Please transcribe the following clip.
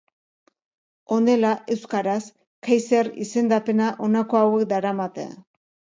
Honela, euskaraz, kaiser izendapena honako hauek daramate.